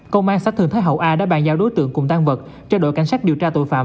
công an xã thường thế hậu a đã bàn giao đối tượng cùng tan vật cho đội cảnh sát điều tra tội phạm